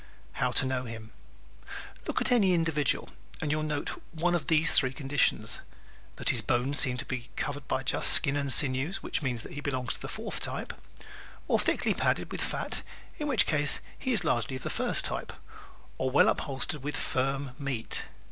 How to Know Him ¶ Look at any individual and you will note one of these three conditions: that his bones seem to be covered just by skin and sinews (which means that he belongs to the fourth type) or thickly padded with fat (in which case he is largely of the first type) or well upholstered with firm meat.